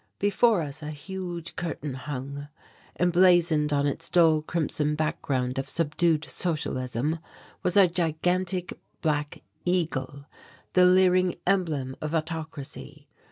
Before us a huge curtain hung. Emblazoned on its dull crimson background of subdued socialism was a gigantic black eagle, the leering emblem of autocracy.